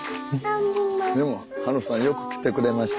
でもハルさんよく来てくれましたね。